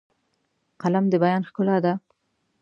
قلم د بیان ښکلا ده